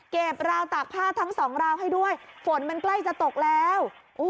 ราวตากผ้าทั้งสองราวให้ด้วยฝนมันใกล้จะตกแล้ว